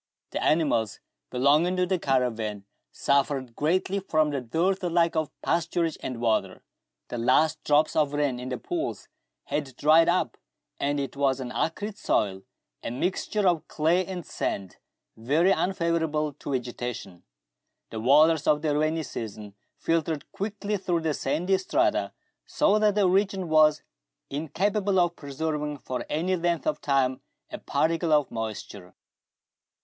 The animals belonging to the caravan suffered greatly from the dearth alike of pasturage and water. The last drops of rain in the pools had dried up, and it was an acrid soil, a mixture of clay and sand, very unfavourable to vegetation. The waters of the rainy season filtered quickly through the sandy strata, so that the region was incapable of preserving for any length of time a particle of moisture.